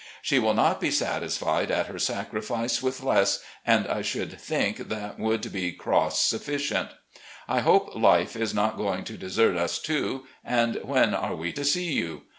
She will not be satisfied at her sacrifice with less, and I should think that would be cross sufficient. I hope 'Life' is not going to desert us too, and when are we to see you?